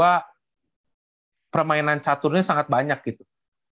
karena permainan caturnya sangat banyak gitu